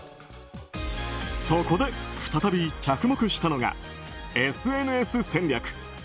そこで再び着目したのがＳＮＳ戦略。